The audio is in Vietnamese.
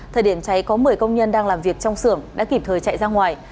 thời điểm cháy có một mươi công nhân đang làm việc trong xưởng đã kịp thời chạy ra ngoài